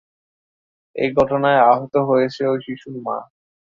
এ ঘটনায় আহত হয়েছে ওই শিশুর মা।